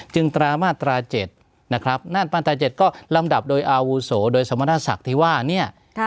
จึงตรามาตราเจ็ดนะครับมาตราเจ็ดก็ลำดับโดยอาวุโสโดยสมนตราศักดิ์ที่ว่าเนี่ย